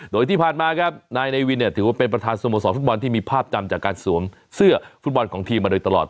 โดยที่ผ่านมาครับนายในวินเนี่ยถือว่าเป็นประธานสโมสรฟุตบอลที่มีภาพจำจากการสวมเสื้อฟุตบอลของทีมมาโดยตลอด